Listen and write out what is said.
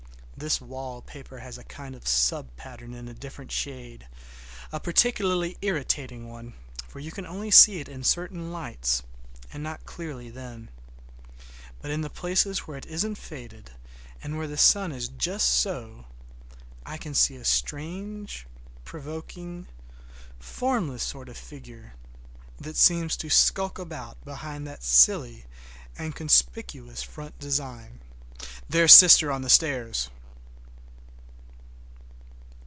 This wallpaper has a kind of sub pattern in a different shade, a particularly irritating one, for you can only see it in certain lights, and not clearly then. But in the places where it isn't faded, and where the sun is just so, I can see a strange, provoking, formless sort of figure, that seems to sulk about behind that silly and conspicuous front design. There's sister on the stairs!